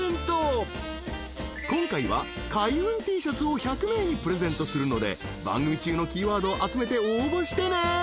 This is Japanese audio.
［今回は開運Ｔシャツを１００名にプレゼントするので番組中のキーワードを集めて応募してね］